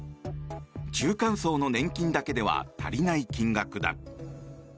中間層の年金だけでは足りない金額だ。